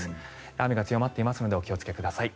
雨が強まっていますのでお気をつけください。